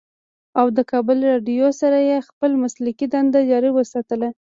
او کابل رېډيو سره ئې خپله مسلکي دنده جاري اوساتله